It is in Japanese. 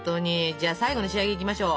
じゃあ最後の仕上げいきましょう。